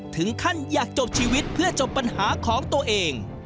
ถึงขั้นอยากจบชีวิตเพื่อจบปัญหาของตัวเอง